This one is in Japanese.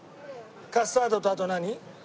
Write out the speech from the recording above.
カスタードとあと何？